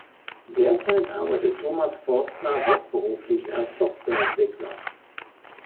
Derzeit arbeitet Thomas Forstner hauptberuflich als Softwareentwickler.